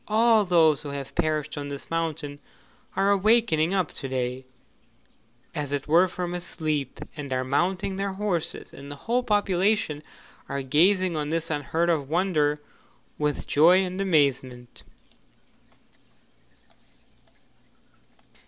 All those who have perished on this mountain are awakening up to day, as it were from a sleep, and are mounting their horses, and the whole population are gazing on this unheard of wonder with joy and amazement.